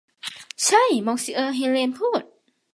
ใช่ มองซิเออร์ เฮเลนพูด